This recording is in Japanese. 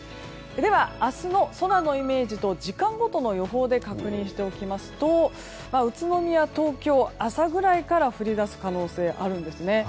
では、明日の空のイメージと時間ごとの予報で確認しておきますと宇都宮、東京は朝ぐらいから降り出す可能性があるんですね。